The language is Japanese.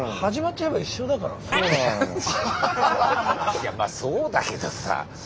いやまあそうだけどさ。